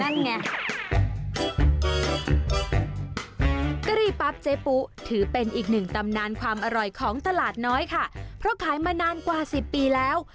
กะหรี่ปั๊บเจ๊ปุ๊ถือเป็นอีกหนึ่งตำนานความอร่อยของตลาดน้อยค่ะเพราะขายมานานกว่าสิบปีแล้ว